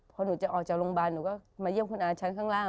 พอหนูจะออกจากโรงพยาบาลหนูก็มาเยี่ยมคุณอาชั้นข้างล่าง